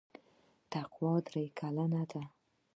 تقوا درې کلنه ده.